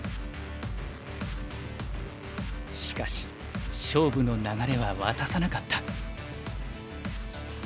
しかし勝負の流れは渡さなかった。